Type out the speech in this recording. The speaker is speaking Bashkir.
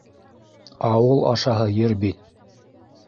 Ауыл ашаһы ер бит.